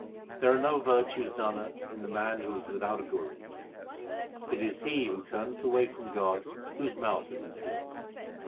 There are no virtues, Nanak, in the man who is without a guru. It is he who turneth away from God whose mouth is impure.